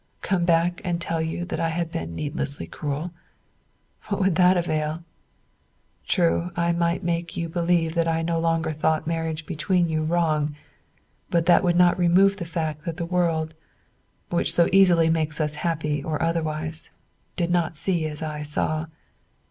Come back and tell you that I had been needlessly cruel? What would that avail? True, I might make you believe that I no longer thought marriage between you wrong; but that would not remove the fact that the world, which so easily makes us happy or otherwise, did not see as I saw.